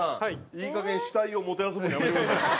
いいかげん死体をもてあそぶのやめてください。